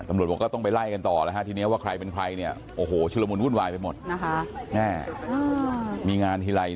มีคนผิดก็วาดนะ